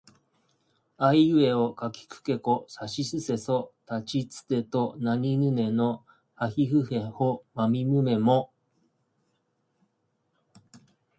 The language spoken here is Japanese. あいうえおかきくけこさしすせそたちつてとなにぬねのはひふへほまみむめも